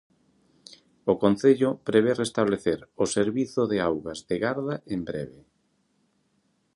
O concello prevé restablecer o servizo de augas de garda en breve.